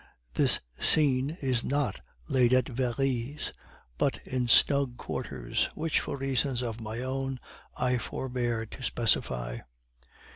This Scene is not laid at Very's, but in snug quarters, which for reasons of my own I forbear to specify.